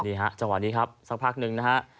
นี่ฮะจังหวะนี้ครับสักพักหนึ่งนะฮะ